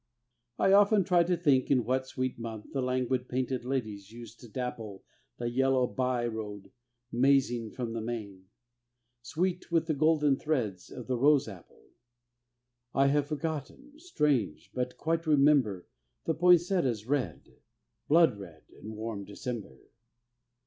I often try to think in what sweet month The languid painted ladies used to dapple The yellow bye road mazing from the main, Sweet with the golden threads of the rose apple: I have forgotten, strange, but quite remember The poinsettia's red, blood red in warm December.